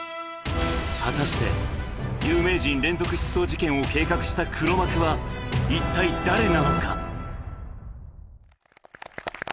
果たして有名人連続失踪事件を計画した黒幕は一体誰なのか。